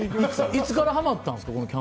いつからハマったんですか？